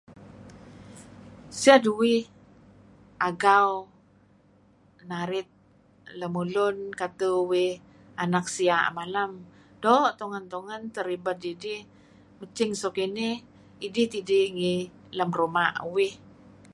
sah duih agau narit lamulun katu uih anak siah malam, do tugan tugan tah ribad idih masing so kinih idih tidih ngi lam rumah uih.